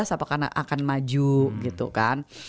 dua ribu empat belas apa akan maju gitu kan